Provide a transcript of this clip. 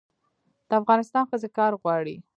د افغانستان ښځې کار غواړي